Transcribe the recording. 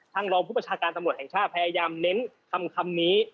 รองผู้ประชาการตำรวจแห่งชาติพยายามเน้นคำนี้